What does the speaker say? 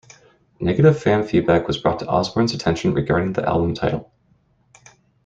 Negative fan feedback was brought to Osbourne's attention regarding the album title.